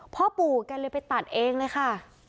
พ่อปู่แกเลยไปตัดเองเลยค่ะ